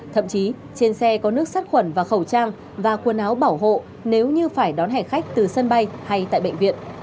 thậm chí trên xe có nước sát khuẩn và khẩu trang và quần áo bảo hộ nếu như phải đón hẻ khách từ sân bay hay tại bệnh viện